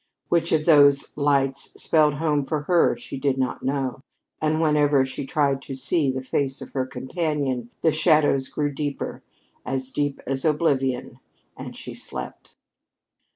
Which of those lights spelled home for her she did not know, and whenever she tried to see the face of her companion, the shadows grew deeper, as deep as oblivion, and she slept.